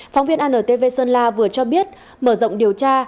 phóng viên antv sơn la vừa cho biết mở rộng điều tra